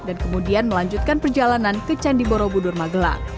kemudian melanjutkan perjalanan ke candi borobudur magelang